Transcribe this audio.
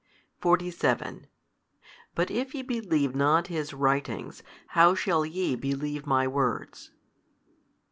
|310 47 But if ye believe not his writings, how shall ye believe My Words?